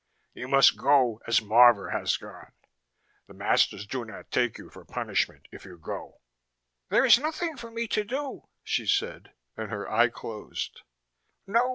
"You must go as Marvor has gone. The masters do not take you for punishment if you go." "There is nothing for me to do," she said, and her eye closed. "No.